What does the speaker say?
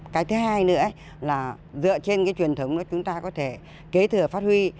cái thứ hai nữa là dựa trên cái truyền thống đó chúng ta có thể kế thừa phát huy